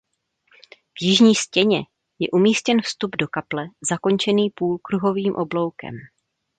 V jižní stěně je umístěn vstup do kaple zakončený půlkruhovým obloukem.